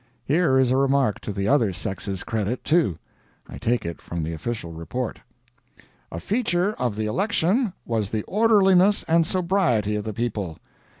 Here is a remark to the other sex's credit, too I take it from the official report: "A feature of the election was the orderliness and sobriety of the people.